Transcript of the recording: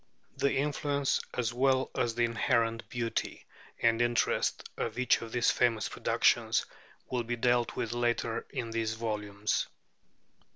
The influence, as well as the inherent beauty and interest, of each of these famous productions will be dealt with later in these volumes.